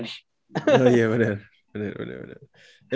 oh iya bener bener